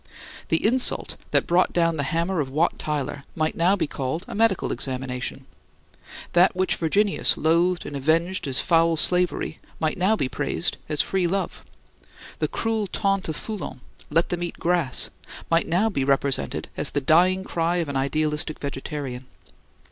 The insult that brought down the hammer of Wat Tyler might now be called a medical examination. That which Virginius loathed and avenged as foul slavery might now be praised as free love. The cruel taunt of Foulon, "Let them eat grass," might now be represented as the dying cry of an idealistic vegetarian.